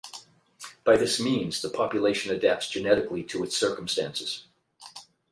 By this means, the population adapts genetically to its circumstances.